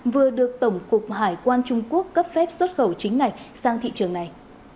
vừa được tổng cục hải quan trung quốc cấp phép xuất khẩu chính ngạch sang thị trường này